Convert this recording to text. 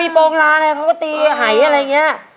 มีโรงวาลจะค่อยหายอะไรพวกงี้